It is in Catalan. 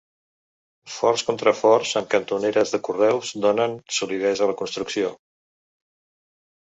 Forts contraforts amb cantoneres de carreus donen solidesa a la construcció.